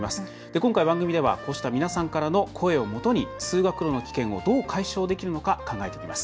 今回、番組ではこうした皆さんからの声をもとに通学路の危険をどう解消できるのか考えていきます。